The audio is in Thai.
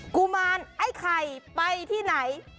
กุมารไอ้ไข่ไปที่ไหน